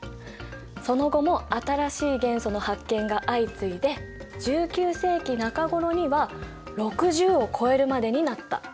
その後も新しい元素の発見が相次いで１９世紀中ごろには６０を超えるまでになった。